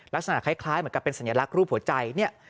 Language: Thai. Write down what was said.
ลักษณะคล้ายเหมือนกับเป็นสัญลักษณ์รูปหัวใจเนี่ย